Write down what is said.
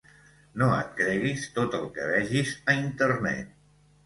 No et creguis tot el que vegis a internet.